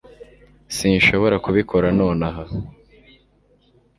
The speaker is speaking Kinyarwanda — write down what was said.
sinshobora kubikora nonaha